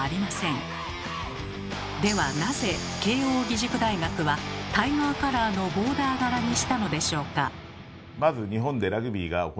ではなぜ慶應義塾大学はタイガーカラーのボーダー柄にしたのでしょうか？